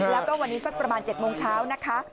แล้วก็วันนี้สักประมาณ๗โมงเช้านะคะ